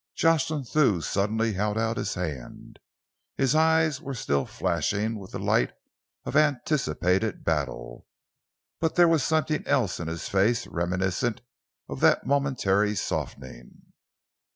Jocelyn Thew suddenly held out his hand. His eyes were still flashing with the light of anticipated battle, but there was something else in his face reminiscent of that momentary softening.